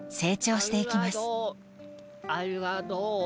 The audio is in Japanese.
ありがとオ。